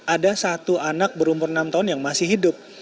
ada satu anak berumur enam tahun yang masih hidup